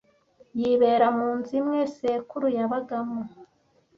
Yibera munzu imwe sekuru yabagamo.